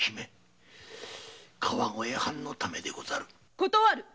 断る！